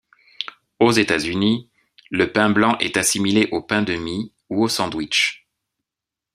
Aux États-Unis, le pain blanc est assimilé au pain de mie ou au sandwich.